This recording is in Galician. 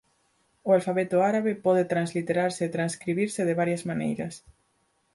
O alfabeto árabe pode transliterarse e transcribirse de varias maneiras.